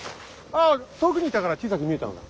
ああ遠くにいたから小さく見えたのだ。